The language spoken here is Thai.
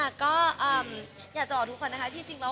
ก็อยากจะบอกทุกคนนะคะที่จริงแล้ว